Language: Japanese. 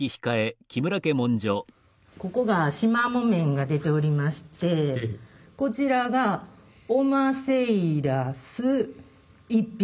ここが縞木綿が出ておりましてこちらが「おませいらす一疋」。